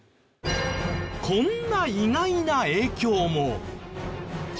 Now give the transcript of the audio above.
こんな意外な影響も。